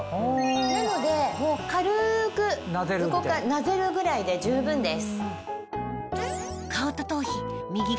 なので軽くなぜるぐらいで十分です。